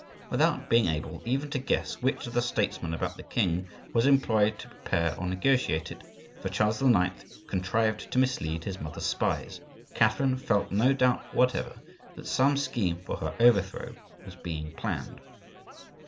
Without being able even to guess which of the statesmen about the king was employed to prepare or negotiate it (for Charles IX. contrived to mislead his mother's spies), Catherine felt no doubt whatever that some scheme for her overthrow was being planned.